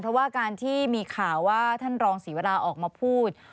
เพราะว่าการที่มีข่าวว่าท่านรองศรีวราออกมาพูด